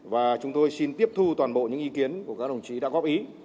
và chúng tôi xin tiếp thu toàn bộ những ý kiến của các đồng chí đã góp ý